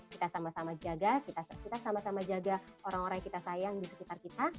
kita sama sama jaga kita sama sama jaga orang orang yang kita sayang di sekitar kita